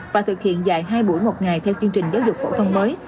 và thực hiện dài hai buổi một ngày theo chương trình giáo dục phổ thông mới